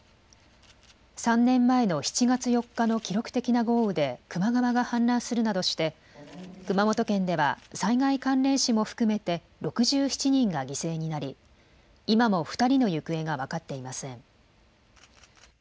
３年前の７月４日の記録的な豪雨で球磨川が氾濫するなどして熊本県では災害関連死も含めて６７人が犠牲になり今も２人の行方が分かっていません。